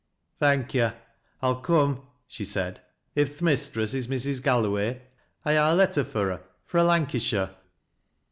" Thank yo' ; I'll come," she said. " If th' mistress ii Mrs. Galloway, I ha' a letter fur her fro' Lancashire."